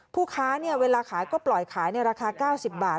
ผู้ค้าเวลาขายก็ปล่อยขายในราคา๙๐บาท